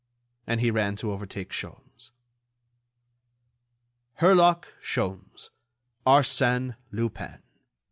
And he ran to overtake Sholmes. HERLOCK SHOLMES—ARSÈNE LUPIN.